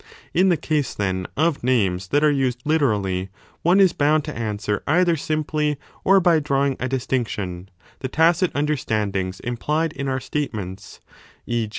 4 In the case, then, of names that are used literally one is bound to answer either simply or by drawing a distinction: the tacit understandings implied in our statements, e.